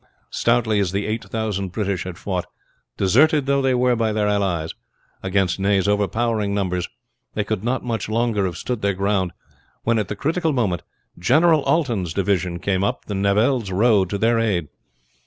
Stoutly as the eight thousand British had fought deserted though they were by their allies against Ney's overpowering numbers, they could not much longer have stood their ground, when at the critical moment General Alten's division came up by the Nivelles road to their aid.